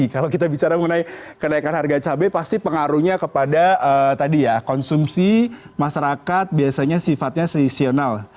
kalau kita bicara mengenai kenaikan harga cabai pasti pengaruhnya kepada tadi ya konsumsi masyarakat biasanya sifatnya seisional